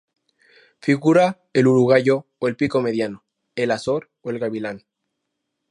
Figura el urogallo o el pico mediano, el azor o el gavilán.